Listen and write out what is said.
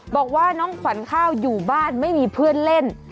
บอกว่าน้องขวัญข้าวอยู่บ้านไม่มีเพื่อนเล่น